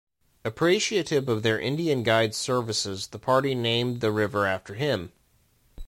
Appreciative of their Indian guide's services the party named the river after him.